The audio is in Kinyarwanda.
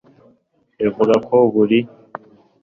rivuga ko buri